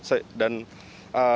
di sini saya